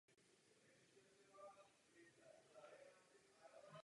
Při této příležitosti bylo rozhodnuto o vybudování kamenné mohyly s pamětní deskou.